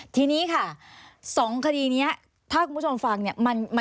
ทีนี้ค่ะ๒คดีนี้ถ้าคุณผู้ชมฟังเนี่ย